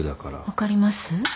分かります？